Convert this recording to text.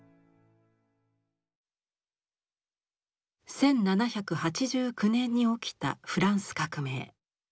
１７８９年に起きたフランス革命。